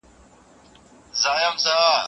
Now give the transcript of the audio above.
ستوري ډېوه سي ،هوا خوره سي